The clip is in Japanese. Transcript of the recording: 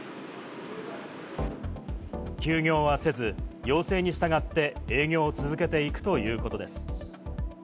休業はせず、要請に従って、営業を続けていくということです。